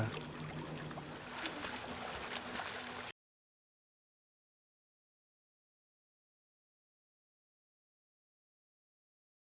dalam kisah dan nepmammity anda risiko pandemik ini memanfaatkan lima medali